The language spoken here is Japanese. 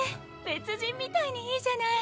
別人みたいにいいじゃない。